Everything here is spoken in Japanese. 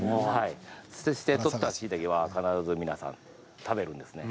採ったしいたけは必ず皆さん食べるんですね。